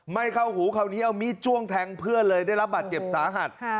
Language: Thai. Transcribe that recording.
ไม่เข้าหูคราวนี้เอามีดจ้วงแทงเพื่อนเลยได้รับบาดเจ็บสาหัส